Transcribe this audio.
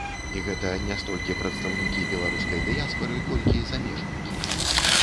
І гэта не столькі прадстаўнікі беларускай дыяспары, колькі замежнікі.